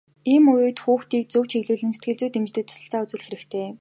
Ийм үед хүүхдийг зөв чиглүүлэн сэтгэл зүйн дэмжлэг туслалцаа үзүүлэх хэрэгтэй.